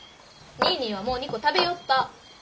ニーニーはもう２個食べよった。